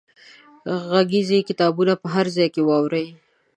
غږیز کتابونه په هر ځای کې واورو.